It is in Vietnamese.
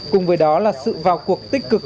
cùng với đó là sự vào cuộc tích cực